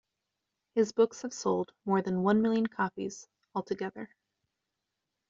His books have sold more than one million copies altogether.